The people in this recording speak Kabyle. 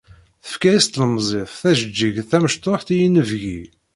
Tefka-yas tlemẓit tajeǧǧigt d tamecṭuḥt i inebgi.